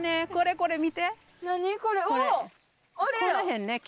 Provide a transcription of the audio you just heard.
この辺ね。